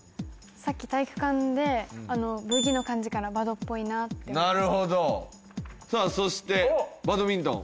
さっき体育館で部着の感じからバドっぽいなって思いましたなるほどさあそしてバドミントン